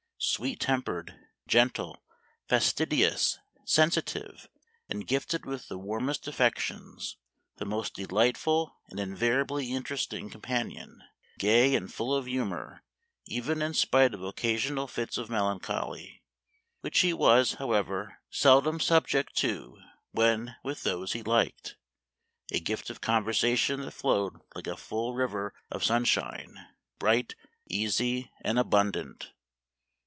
Sweet tem pered, gentle, fastidious, sensitive, and gifted with the warmest affections, the most delightful and invariably interesting companion, gay and full of humor, even in spite of occasional fits of melancholy, which he was, however, seldom subject to when with those he liked — a gift of conversation that flowed like a full river of sun shine, bright, easy, and abundant."